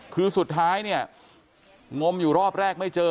คือสุดท้ายเนี่ยงมอยู่รอบแรกไม่เจอ